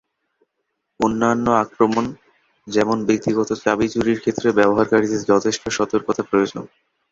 অন্যান্য আক্রমণ, যেমন ব্যক্তিগত চাবি চুরির ক্ষেত্রে ব্যবহারকারীদের যথেষ্ট সতর্কতা প্রয়োজন।